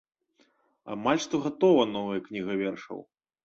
Амаль што гатова новая кніга вершаў.